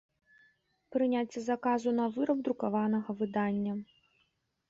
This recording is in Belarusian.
Прыняцце заказу на выраб друкаванага выдання